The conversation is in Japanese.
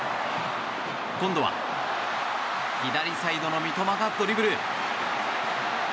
今度は左サイドの三笘がドリブル。